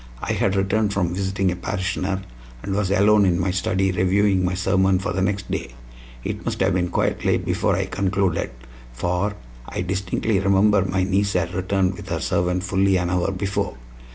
I had returned from visiting a parishioner, and was alone in my study reviewing my sermon for the next day. It must have been quite late before I concluded, for I distinctly remember my niece had returned with her servant fully an hour before.